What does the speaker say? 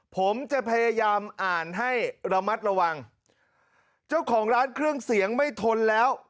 ผมจะพยายามอ่านให้ระมัดระวังเจ้าของร้านเครื่องเสียงไม่ทนแล้ว